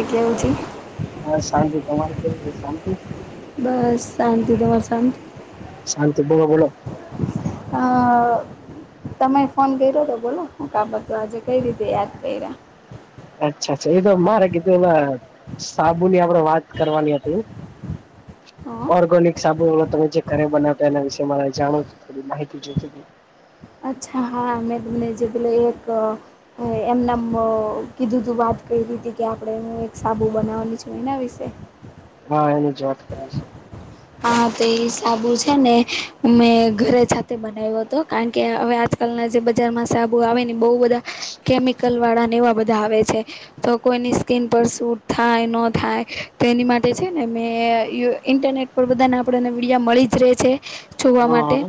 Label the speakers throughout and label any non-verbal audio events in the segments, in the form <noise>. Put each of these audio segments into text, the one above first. Speaker 1: એટલે ઊંચી
Speaker 2: હ શાંતિ તમારે કેવુ છે શાંતિ?
Speaker 1: બસ શાંતિ તમારે શાંતિ?
Speaker 2: શાંતિ બોલો બોલો
Speaker 1: હ અ તમે ફોન કર્યો તો બોલો હુ કામ હતું આજે કઈ રીતે યાદ કર્યા?
Speaker 2: અચ્છા અચ્છા એ તો મારે કીધું હવે સાબુ ની આપડે વાત કરવાની હતી.
Speaker 1: હા
Speaker 2: ઓર્ગોનિક સાબુ હવે તમે જે ઘરે બનાવતા એના વિશે મારે જાણુંવુતું થોડી માહિતી જોઈતીતી
Speaker 1: અચ્છા હા મે તમને જે પેલો એક હ એમનેમ અ કીધું તું વાત કયરિતી કે આપડે હું એક સાબુ બનાવાની છું એના વિશે
Speaker 2: હા એની જ વાત કરી છે.
Speaker 1: હા તો એ સાબુ છે ને મેં ઘરે જાતે બનાયવો હતો કારણ કે હવે આજકાલના જે બજારમાં સાબુ આવે ને બહુ બધા કેમિકલ વાળા ને એવા બધા આવે છે. તો કોઈની સ્કીન પર સૂટ થાય ન થાય તો એની માટે છે ને મેં અ ઇન્ટરનેટ આપણા બધાને આપડે ને વિડિયા મળી જ રે છે જોવા
Speaker 2: હા
Speaker 1: માટે
Speaker 2: હા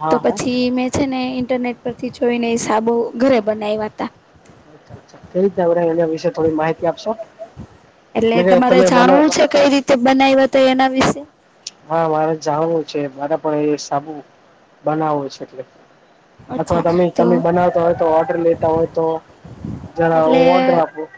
Speaker 2: હા
Speaker 1: તો
Speaker 2: હા.
Speaker 1: પછી મે છે ને ઇન્ટરનેટ પરથી જોઈને સાબુ ઘરે બનાયવાતા
Speaker 2: અચ્છા કઈ રીતે આપડે એના વિશે થોડી માહિતી આપશો એટલે કે તમે બન
Speaker 1: તો બનાઈવા તો એના વિશે
Speaker 2: હા મારે જાણવું છે મારે પણ એ સાબુ બનાવવો છે એટલે અથવા તમે
Speaker 1: તો
Speaker 2: તમે બનાવતા હોય તો ઓર્ડર લેતા હોય તો જણાઓ
Speaker 1: એટલે
Speaker 2: હું ઑર્ડર આપું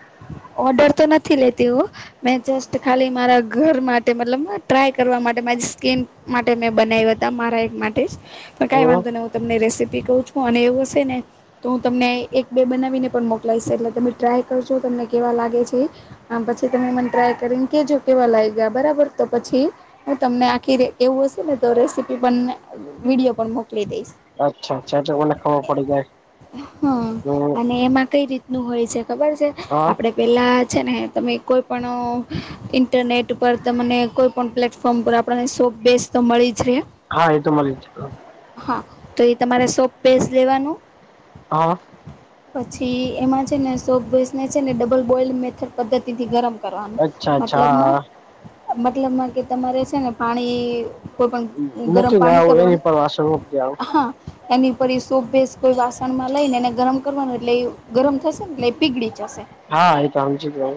Speaker 1: ઓર્ડર તો નથી લેતીહો મે જસ્ટ ખાલી મારા ઘર માટે મતલબ ટ્રાય કરવા માટે મારી સ્કીન માટે મેં બનાયવા હતા મારા એક માટે જ પણ કાઈ
Speaker 2: હમ
Speaker 1: વાંધો નત મે રેસી ઈ કઉ છું અને એવું હશે ને. તો હું તમને એક બે બનાવીને પણ મોકલાઈશ એટલે તમે ટ્રાય કરજો તમને કેવા લાગે છે. આમ પછી તમે મને ટ્રાય કરીને કેજો કેવા લાયગા બરાબર તો પછી હું તમને આખી એવું હશે ને તો રેસીપી પણ વિડીયો પણ મોકલી દઈશ.
Speaker 2: અચ્છા અચ્છા ઓને તો ખબર પડી જાય
Speaker 1: હા
Speaker 2: હ
Speaker 1: અને એમાં કઈ રીતનું હોય છે ખબર છે
Speaker 2: હા
Speaker 1: આપડે પેલા છે ને તમે કોઈ પણઅ ઇન્ટરનેટ પર તમને કોઈ પ્લેટફોર્મ પર આપણને સોપ બેસ તો મળી જ.
Speaker 2: હા એ તો મનેચ્છ.
Speaker 1: હા. તો એ તમારે સોપ પેસ્ટ લેવાનું.
Speaker 2: હા.
Speaker 1: પછી એમાં છે ને સો બેસ છે ને ડબલ બોલ મેથડ પદ્ધતિથી ગરમ. કરવા
Speaker 2: અચ્છા અચ્છા
Speaker 1: મતલબ
Speaker 2: હા
Speaker 1: મતલબમાં કે તમારે છે ને પાણી. કોઈ પણણ ગરમ
Speaker 2: મૂકી ને
Speaker 1: પાણી
Speaker 2: આવું
Speaker 1: કરવા
Speaker 2: એની પર વાસણ મૂકી આવું
Speaker 1: હા. એની ઉપર એ સોપ ભેસ કોઈ વાસણમાં લઈને એને ગરમ કરવાનું એટલે એ ગરમ થશે ને એટલે પીગળી જશે.
Speaker 2: હા એ તોમજ જ ભુ.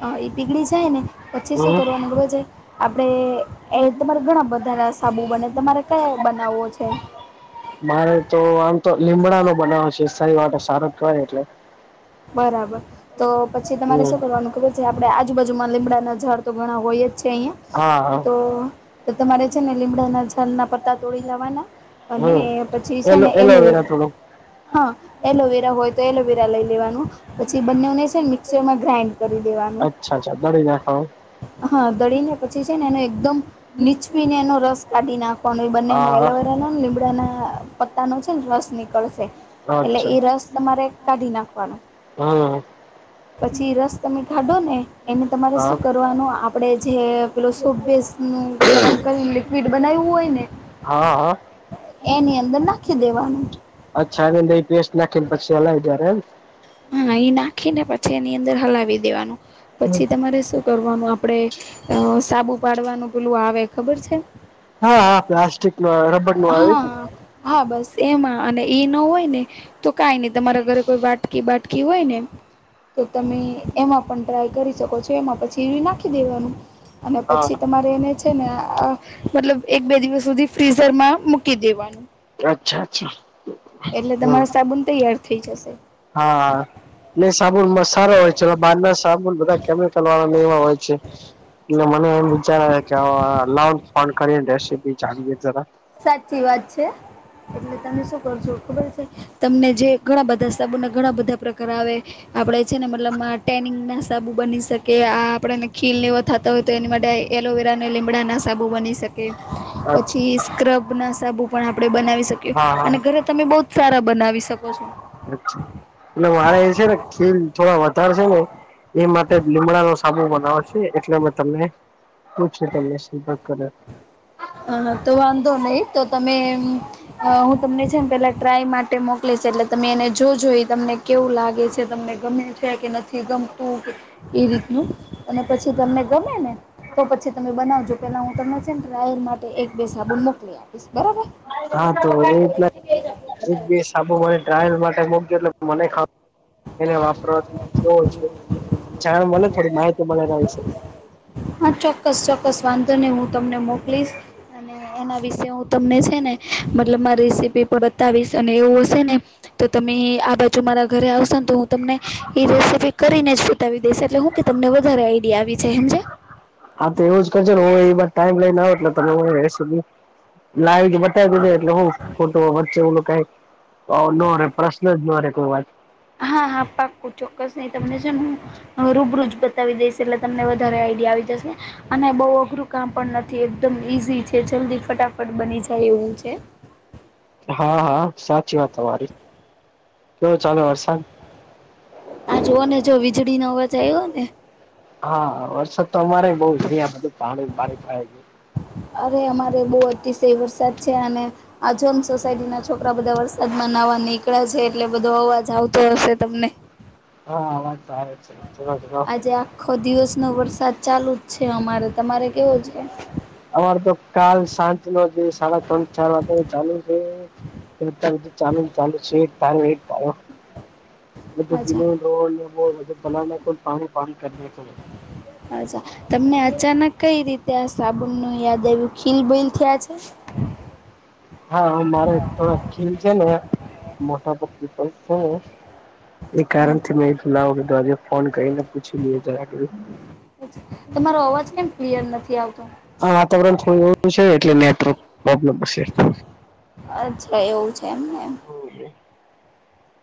Speaker 1: હ એ પીગળી જાય ને પછીસો
Speaker 2: હમ
Speaker 1: કરવા ગવા જાય. આપણેે એ તમારે ઘણા બધા સાબુ બને તમારે કયા બનાવવો છે.
Speaker 2: મારે તો આમ તો લીમડા નો બનાવો છે સારી વાતો સારો કહેવાય એટલે.
Speaker 1: બરાબર તો પછી તમારે
Speaker 2: હમ
Speaker 1: શું કરવાનું ખર. જે આપણે આજુબાજુમાં લીમડાના ઝાડ તો ઘણા હોય જ છે
Speaker 2: હા
Speaker 1: અહિયાં
Speaker 2: હા
Speaker 1: તો. તો તમારે છે ને લીમડાના છલના પતા તોડી લેવાના. અને પછી
Speaker 2: હમ
Speaker 1: છે
Speaker 2: એલો
Speaker 1: ને એલોવેરા.
Speaker 2: થોડું
Speaker 1: હા એલોવેરા હોય તો એલોવેરા લઈ લેવાનું પછી બંનેને છે ને મિક્સરમાં ગ્રાઇન્ડ. કરી દેવાનું.
Speaker 2: અચ્ાા દડી નાખો.
Speaker 1: હા દળી ને પછી છે ને એનો એકદમ નીચવીીને એનો રસ કાઢી નાખો. પણ એ બંને
Speaker 2: હા
Speaker 1: એલોવેરા નને લીમડાના પત્તા નો છે ને રસ નીકળશે.
Speaker 2: હા
Speaker 1: એટલે
Speaker 2: અચ્છા
Speaker 1: એ રસ તમારે કાઢી નાખવાનો.
Speaker 2: હમ.
Speaker 1: પછી રસ તમે ખાઢો ને એને તમારે
Speaker 2: હા
Speaker 1: શું કરું. આપે જે પે સપસ ગરમ કરીને લિક્વિડ બનાવું હોય ને.
Speaker 2: હા હા.
Speaker 1: એની અંદર નાખી દેવાનું.
Speaker 2: અચ્છા એ દ પેસ્ટ નાખી ને પછી હલાય જ્યારે એમ.
Speaker 1: હા એ નાખી ને પછી એની અંદર હલાવી દેવાનું.
Speaker 2: એમ
Speaker 1: પછી તમારે શું કરવાનું આપડે સાબુ પાડવાનું પેલું આવે ખબર છે.
Speaker 2: હા હા પ્લાસ્ટિક. <unintelligible>
Speaker 1: હા
Speaker 2: ને
Speaker 1: હા બસ એમાં અને એ ન હોય ને. તો કઈ નઈ તમારા ઘરે કોઈ વાટકી બાટકી હોય ને. તો તમે એમાં પણ ટ્રાય કરી શકો છો એમાં પછી નાખી દેવાનુ અને
Speaker 2: હા
Speaker 1: પછી તમારે એને છે ને મતલબ એક બે દિવસ સુધી ફ્રીઝ ઘરમાં મૂકી દેવાનુ
Speaker 2: અચ્છા અચ્છા
Speaker 1: એટલે
Speaker 2: હમ
Speaker 1: તમારો સાબુન તૈયાર થઇ જશે.
Speaker 2: હા. એ સાબુનમાં સારા હોય છે બાર ના સાબુન બધા કેમિકલ વાળાને એવા હોય છે. એટલે મને એમ વિચાર કેઉ કરીને ર જાડીએ જરા
Speaker 1: સાચી વાત છે એટલે તમે શું કરશો ખબર છે. તમને જે ઘણા બધા સબોને ઘણા બધા પ્રકાર આવે આપડે છેને, મતલબ ટનિંગ ના સાબુ બની શકે આ આપણેેને ખીલ ને થતાં હોય તો એની માટે એલોવેરા અને લીમડાના સાબુ બની શકે
Speaker 2: અચ્છા
Speaker 1: પછી સ્ક્રબ ના સાબુ પણ આપણે બનાવી શકીય
Speaker 2: હા હા
Speaker 1: અને ઘરે તમે બહ જ સારા બનાવી શકો છો.
Speaker 2: છ એટ મારે એ છે ને ખીલ થોડા વધારેશે ને એ માટે લીમડા નો સાબુ બનાવે છે, એટલે મે તમને પૂછ તમ સંપર્ક કર્ય
Speaker 1: હ હા તો વાંધો નહી તો તમે હું તમને છે ને પેલા ટ્રાય માટે મોકલીશ એટલે તમે એને જોજઈ તમને કેવું લાગે છે તમને ગમે છે, કે નથી ગમતુ કે એ રીતનું અને પછી તમને ગમે ને તો પછી તમે બનાવજો પેલા હુ, તમ છેમ. ય માટે એક બે સાબુન મોકલી આપીશ બરાબર
Speaker 2: હા તો એ રીતના એક સાબુમા ટ્રાયલ માટે મોક એટલે મને ખર એને વાપરવાથી કેવો છે, એટલે મ જાણ મને થોડી માહી મળેલા વિશે
Speaker 1: હા ચોક્કસ ચોક્કસ વાંધો નહી હું તમને મોકલીશ અને એના વિશે હુ તમને છેને, મતલબ મા રેસીપી પણ બતાવીશ અને એવું હશે ને તો તમે આ બાજુ મારા ઘરે આવશોને તો હું તમને એ રેસીપી કરીને જ બતાવી દે એટલે હું કે તમને વધારે આઈડિયા આવી છે, એમજ
Speaker 2: હા તો એવું જ કરજ ને એત ટાઈમ લઈને આવે એટલે ત લાવી બતાવી દ એટલે હુ તો વચ્ચે એું ક ન રે પ્રશ્ન જ ન રે કોઈ વાત
Speaker 1: હા હા પાકું ચોક્કસ નહી, તમને છે હ હ રૂબરૂજ બતાવી દઈશ એટલે તમને વધારે આઈડિયા આવી જશે ને અને બહ અઘરું કામ પણ નથી એકદમ ઈઝી છે જલ્દી ફટાફટ બની જાય એવું છે.
Speaker 2: હા હા સાચી વાત તમારી કેવું ચાલે વરસાદ
Speaker 1: આ જોુ ને જો વીજળી ન અવાજ આવ્યો ને
Speaker 2: હા વરસાદ તો અમારે બઉ જ બધું પાણી પાણી પાડ ગ
Speaker 1: અરે અમારે બહ અતિશય વરસાદ છે, અને આજંગ સોસાયટી ના છોકરા બધા વરસાદ માં નવા નીકળે છે એટલે બધો અવાજ આવતો હશે તમને
Speaker 2: હા આ <inaudible>
Speaker 1: આજે આખો દિવસ નો વરસાદ ચાલુ જ છે અમારે તમારે કેવો છે.
Speaker 2: અમાર તો કાલ સાંજ નો જે સાડા ત્રણ ચાર વાગે ચાલુ છે. એ ત તાર પારો ઈ
Speaker 1: અચ્છા
Speaker 2: રોડ લા કોલ પાણી પાણી કર બે
Speaker 1: અચ્છા, તમને અચાનક કઈ રીતે આ સાબુનનું યાદ આવ્યું. ખીલ બીલ થયા છે?
Speaker 2: હા, મારે થોડાક ખીલ છે ને મોટા પ પિંપલ થાઈ હે. એ
Speaker 1: હમ
Speaker 2: કારણથી મે લાવો કીધું આજે ફોન કરીને પૂછી લઈએ જરાક એવું.
Speaker 1: તમારો અવાજ કેમ ક્લિયર નથી આવતો?
Speaker 2: આ વાતાવરણ થોડું એવુ છે એટલે નેટવર્ક પ્રોબ્લેમ હશે.
Speaker 1: અચ્છા, એવું છે એમને એમ.
Speaker 2: હમ.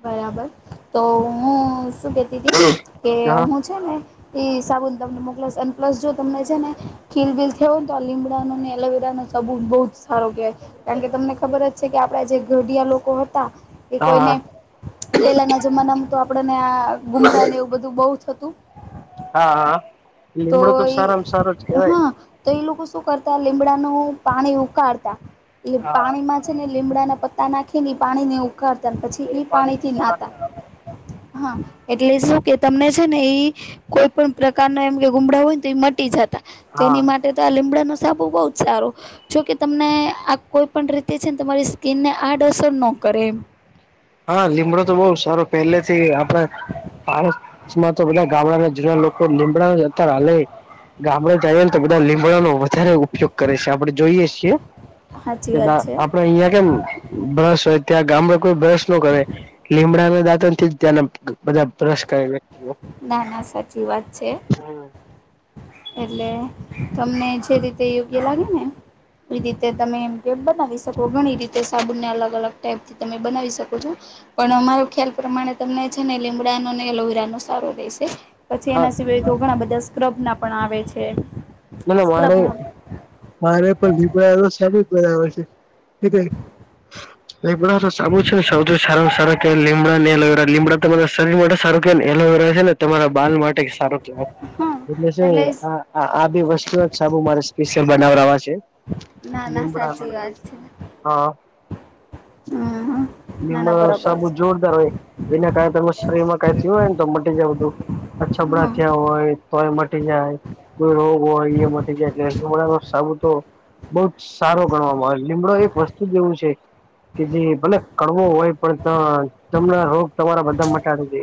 Speaker 1: બરાબર. તો હું શું કહેતીતી. કે
Speaker 2: હા
Speaker 1: હું છે ને એ સાબુન તમને મોકલાવિશ. અન પ્લસ જો તમને છે ને ખીલ બીલ થયા હોય ને તો લીમડા ને એલોવેરાનો સાબુ બઉ સારો કહેવાય. કારણ કે તમને ખબર જ છે કે, આપડા જે ઘડિયા લોકો હતા કે કોઈને
Speaker 2: હા
Speaker 1: પેલાના જમાનામાં તો આપણને આ ગુમડા ને એવું બધું બઉ થતું.
Speaker 2: હા હા હા. લીમડો તો સારામાં સારો જ કેવાયન.
Speaker 1: હા તો એ લોકો શું કરતા લીમડાનું પાણી ઉકાળતા. એ
Speaker 2: હા
Speaker 1: પાણીમાં છેને લીમડાના પત્તા નાખીને પાણીને ઉકાળતા
Speaker 2: એ
Speaker 1: પછી
Speaker 2: પાણી
Speaker 1: પાણીથી
Speaker 2: સ્નાન
Speaker 1: નાતા.
Speaker 2: કરાવતા.
Speaker 1: હા, એટલે શું કે તમને છે ને એઈ કોઈ પણ પ્રકાર ગુમડા હોય ને તો એ મટી જતા,
Speaker 2: હા.
Speaker 1: તેની માટે તો આ લીમડા નો સાબુ બહુ જ સારો. જોકે તમને આ કોઈ પણ રીતે છે ને તમારી સ્કીનને આડઅસર ન કરે એમ.
Speaker 2: હા લીમડો તો બહુ સારો પહેલે થી આપણે પા માં તો બધા ગામડાના જૂના લોકો લીમડા અત્યારે હાલે ઈ. ગામડે જઈએ તો બધા લીમડાનો વધારે ઉપયોગ કરે છે, આપડે જોઈએ છીએ.
Speaker 1: સાચી
Speaker 2: કે,
Speaker 1: વાત
Speaker 2: બા
Speaker 1: છે.
Speaker 2: આપડે અહિયાં કેમ બ્રશ હોય, ત્યાં ગામડે કોઈ બ્રશ ન કરે. લીમડા ના દાંતન થી જ ત્યાં ના, બધા બ્રશ કરે. વ્યક્તિઓ
Speaker 1: ના.. ના.. સાચી વાત છે. એટલે, તમને જે રીતે યોગ્ય લાગે ને. આવી રીતે તમે એમ કે બનાવી શકો, ઘણી રીતે સાબુને અલગ અલગ ટાઈપથી તમે બનાવી શકો છો. પણ અમારો ખ્યાલ પ્રમાણે તમને છે ને, લીમડાનો ને એલોવેરા નો સારો રહેેશે. પછી
Speaker 2: હા
Speaker 1: એના સિવાય તો ઘણા બધા સ્ક્રબ ના પણ આવે છે.
Speaker 2: મ મારે
Speaker 1: સ્ક્રબના
Speaker 2: મારે પણ લીબડું સારી જ, બરાબર છે. <unintelligible> લીમડા નો સાબું છે ને, સૌથી સારા-સારા લીમડા અને એલોવેરા, લીમડા. તમારા શરીર માટે સારું કે ને, એલોવેરા છે ને, તમારા બાલ માટે સારું. એટલે
Speaker 1: હા
Speaker 2: છે ને
Speaker 1: એટલે
Speaker 2: આ.. આ બી વસ્તુ જ સાબુ મારે સ્પેશિયલ બનાવડાવા છે.
Speaker 1: ના ના
Speaker 2: ીન પડા
Speaker 1: સાચી વાત છે.
Speaker 2: <unintelligible> હા,
Speaker 1: હમ ના ના
Speaker 2: લીમડાનો
Speaker 1: બરોબર
Speaker 2: સાબુ,
Speaker 1: છે
Speaker 2: જોરદાર હોય. એના કારણે તમે શરીર માં કઈ થયું હોય ને, તો મટી જાય બધું અછબડા
Speaker 1: હા.
Speaker 2: થયા હોય. તોય મટી જાય, કોઈ રોગ હોય એ મટી જાય, એટલે લીમડાનો સાબું તો. બહુ જ સારો ગણવામાં આવે, લીમડો એક વસ્તુ જ એવું છે. કે જે ભલે કડવો હોય, પણ ત... તમને રોગ તમારા બધા મટાડી દે.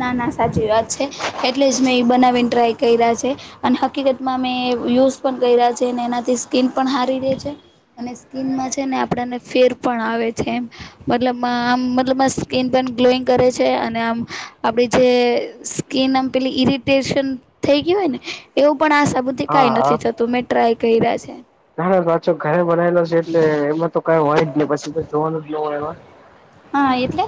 Speaker 1: ના... ના.. સાચી વાત છે, એટલે જ મેં એ બનાવીને ટ્રાય કર્યા છે. અને હકીકતમાં મે યુઝ પણ કર્યા છે અને એનાથી સ્કીન પણ હારી રે છે. અને સ્કીનમાં છે ને, આપણને ફેર પણ આવે છે એમ. મતલબ મા.. આમ મતલબ સ્કીિન પણ ગ્લોઈંગ કરે છે, અને આમ. આપડી જે સ્કીિન આમ પેલી ઈરિટેશન થઈ ગયું હોય ને, એવું પણ આ સાબુ થી તે
Speaker 2: હા
Speaker 1: કાઈ
Speaker 2: હા.
Speaker 1: નથી થતું, મેં ટ્રાય કર્યા છે.
Speaker 2: ના, ના, સાચો ઘરે બનાવેલો છે, એટલે એમાં તો કંઈ હોય જ ને, પછી તો જોવાનું જ ના હોય, એમાં
Speaker 1: હા, એટલે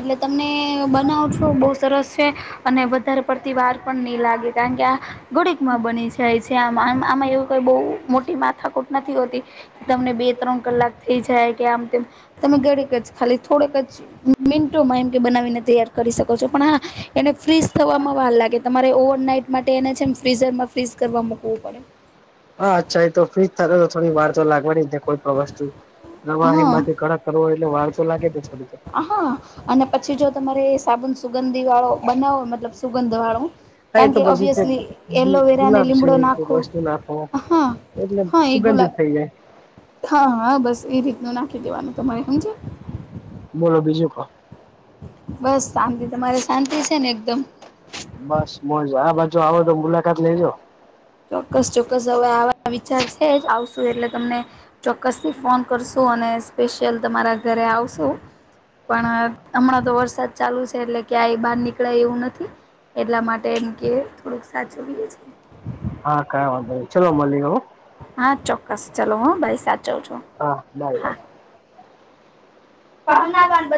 Speaker 1: એટલે તમને બનાવું છું, બહુ સરસ છે, અને વધારે પડતી વાર પણ નહીં લાગે, કારણ કે આ ઘડીકમાં બની જાય છે, માં એવું કંઈ બહુ મોટી માથાકુટ નથી હોતી, તમને બે-ત્રણ કલાક થઈ જાય કે, આમ તેમ તમે ઘડીક જ ખાલી થોડક જ મિન્ટોમાં એમ કે બનાવીને, તૈયાર કરી શકો છો, પણ હા, એને ફ્રીશ થવામાં વાર લાગે, તમારે ઓવરનાઈટ માટે એને છે, એમ ફ્રીઝરમાં ફ્રીઝ કરવા મૂકવું પડે.
Speaker 2: હા, અચ્છા, એ તો ફ્રીઝ થોડી વાર તો લાગવાની દે, કોઈ વસ્તુ. પ્રવાહી
Speaker 1: હા
Speaker 2: માંથી કડક કરવો, એટલે વાર તો લાગે છે, થોડીક ઘણી.
Speaker 1: હ, હા, અને પછી જો તમારે સાબુન સુગંધી વાળો બનાવો, મતલબ, સુગંધ વાળો
Speaker 2: હા એ
Speaker 1: કારણ
Speaker 2: તો
Speaker 1: કે
Speaker 2: પછી છે
Speaker 1: ઓબ્વિયસલી એલોવેરા ને,
Speaker 2: ગુલાબ છે
Speaker 1: લીમડો
Speaker 2: કોઈ
Speaker 1: નાખો,
Speaker 2: વસ્તુ નાખો
Speaker 1: હ.
Speaker 2: એટલે સુગંધિત થઇ જાય.
Speaker 1: હા, હા, બસ. એ રીતનું નાખી દેવાનું. તમારે હમજ્યા.?
Speaker 2: બોલો, બીજું કંઈ?
Speaker 1: બસ, શાંતિ! તમારે શાંતિ છે ને, એકદમ?
Speaker 2: બસ, મોજ! આ બાજુ આવો તો મુલાકાત લઈ જો.
Speaker 1: ચોક્કસ, ચોક્કસ! હવે આવા વિચાર છે જ. આવશું એટલે તમને ચોક્કસથી ફોન કરશું, અને સ્પેશિયલ તમારા ઘરે આવશું પણ હમણાં તો વરસાદ ચાલુ છે, એટલે ક્યાય બહાર નીકળાય એવું નથી. એટલા માટે એમ કે થોડુંક સાચું બી એ છે.
Speaker 2: હા, કાયવાંધો નહી. ચલો મળી હો
Speaker 1: હા, ચોક્કસ. ચાલો, હું ભાઈ સાચવ જો.
Speaker 2: હા, બાય ત <unintelligible>